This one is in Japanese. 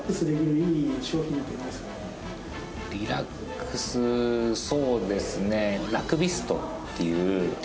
リラックスそうですね。